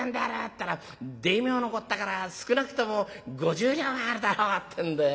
ったら『大名のこったから少なくとも５０両はあるだろう』ってんで。